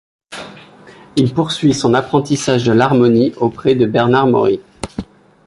Il poursuit son apprentissage de l’harmonie auprès de Bernard Maury.